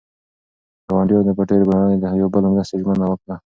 ګاونډیانو په ډېرې مېړانې د یو بل د مرستې ژمنه وکړه.